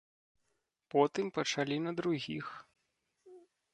Потым пачалі на другіх.